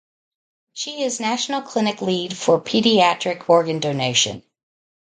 She is national clinical lead for paediatric organ donation.